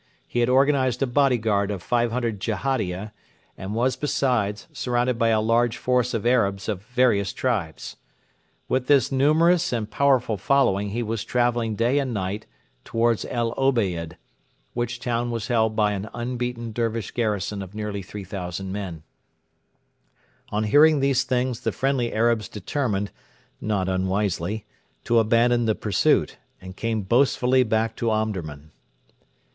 He had organised a bodyguard of 500 Jehadia, and was, besides, surrounded by a large force of Arabs of various tribes. With this numerous and powerful following he was travelling day and night towards El Obeid, which town was held by an unbeaten Dervish garrison of nearly 3,000 men. On hearing these things the friendly Arabs determined not unwisely to abandon the pursuit, and came boastfully back to Omdurman.